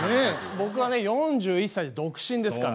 僕はね４１歳で独身ですから。